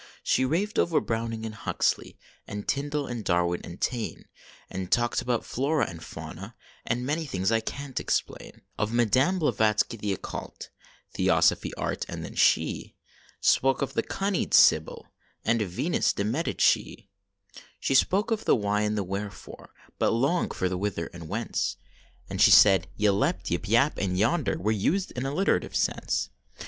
She raved over Browning and Huxley, And Tyndal, and Darwin, and Taine ; And talked about Flora and Fauna, And many things I can t explain. Of Madame Blavatski, the occult, Theosophy, art, and then she Spoke of the Cunead Sibyl And Venus de Med i che. She spoke of the why and the wherefore, But longed for the whither and whence ; And she said yclept, yip, yap and yonder Were used in alliterative sense.